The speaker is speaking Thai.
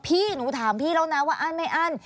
พี่หนูถามพี่แล้วนะว่าอั้นไม่อั้น